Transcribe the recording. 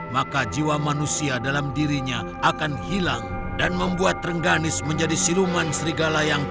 maka jiwa manusia dalam dirinya akan hilang dan membuat rengganis menjadi siluman serigala yang kuat